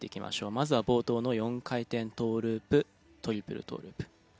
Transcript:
まずは冒頭の４回転トーループトリプルトーループ。